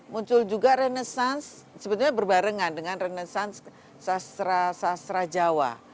muncul juga renesans sebetulnya berbarengan dengan renesans sastra sastra jawa